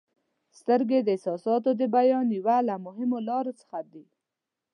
• سترګې د احساساتو د بیان یوه له مهمو لارو څخه دي.